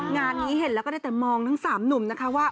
งานนี้เห็นแล้วก็ได้แต่มองทั้ง๓หนุ่มนะคะว่า